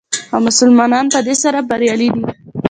او مسلمانان په دې سره بریالي دي.